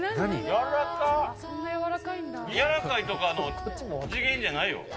柔らかいとかの次元じゃないわ。